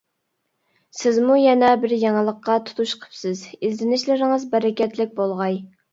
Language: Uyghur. سىزمۇ يەنە بىر يېڭىلىققا تۇتۇش قىپسىز، ئىزدىنىشلىرىڭىز بەرىكەتلىك بولغاي.